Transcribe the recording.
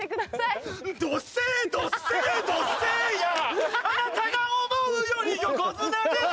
あなたが思うより横綱です